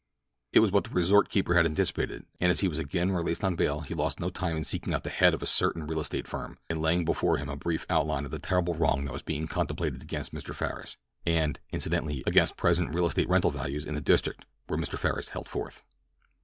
It was what the resort keeper had anticipated, and as he was again released on bail he lost no time in seeking out the head of a certain great real estate firm and laying before him a brief outline of the terrible wrong that was being contemplated against Mr. Farris, and, incidentally, against present real estate rental values in the district where Mr. Farris held forth.